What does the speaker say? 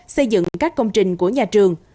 xây dựng các công trình của nhà trường